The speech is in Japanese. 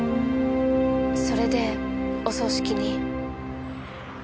それでお葬式に。